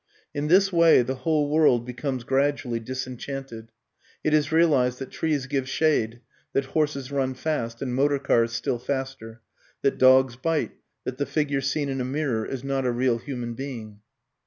In this way the whole world becomes gradually disenchanted. It is realized that trees give shade, that horses run fast and motor cars still faster, that dogs bite, that the figure seen in a mirror is not a real human being.